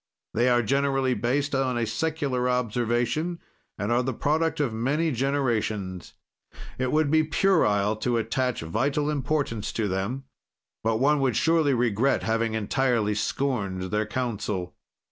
"They are generally based on a secular observation, and are the product of many generations. "It would be puerile to attach vital importance to them, but one would surely regret having entirely scorned their counsel.